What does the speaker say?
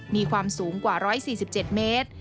มีความสูงกว่า๑๔๗เมตร